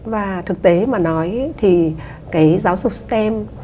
và thực tế mà nói thì cái giáo dục stem